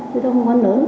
chứ tôi không có lớn